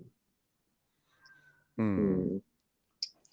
อืม